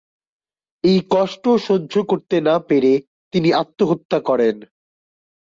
এই কষ্ট সহ্য করতে না পেরে তিনি আত্মহত্যা করেন।